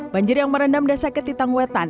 banjir yang merendam desa ketitang wetan